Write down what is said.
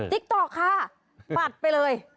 ติ๊กต๊อกค่ะปัดไปเลย